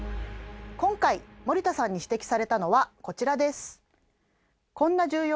今回森田さんに指摘されたのはこちらです。